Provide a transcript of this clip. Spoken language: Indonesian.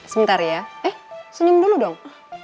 sebentar ya eh senyum dulu dong